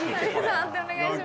判定お願いします。